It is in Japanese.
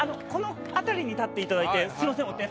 この辺りに立っていただいてすいません